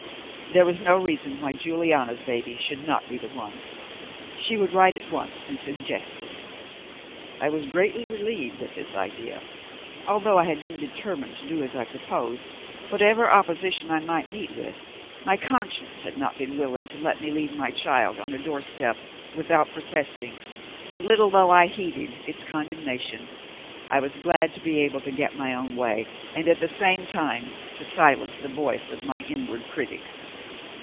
There was no reason why Juliana's baby should not be the one. She would write at once and suggest it. I was greatly relieved at this idea. Although I had been determined to do as I proposed, whatever opposition I might meet with, my conscience had not been willing to let me leave my child on a doorstep without protesting, and, little though I heeded its condemnation, I was glad to be able to get my own way and at the same time to silence the voice of my inward critic.